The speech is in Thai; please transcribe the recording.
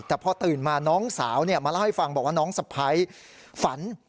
แต่พอตื่นมาน้องสาวมาเล่าให้ฟังบอกว่าน้องสะพ้ายฝัน